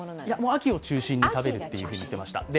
秋を中心に食べると言っていました。